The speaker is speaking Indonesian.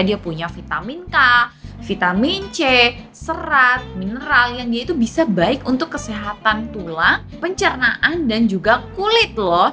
dia punya vitamin k vitamin c serat mineral yang dia itu bisa baik untuk kesehatan tulang pencernaan dan juga kulit loh